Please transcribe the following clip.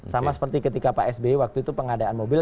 sama seperti ketika pak sby waktu itu pengadaan mobil